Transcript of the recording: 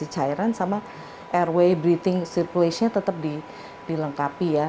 cairan sama airway breathing circunya tetap dilengkapi ya